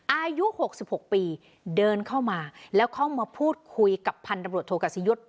อายุ๖๖ปีเดินเข้ามาแล้วเข้ามาพูดคุยกับพันธบรวจโทกัศยุทธ์